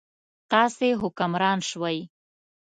تاسې حکمران شوئ.